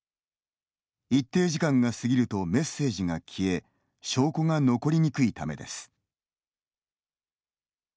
一定時間が過ぎるとメッセージが消え、証拠が残りにくいためです。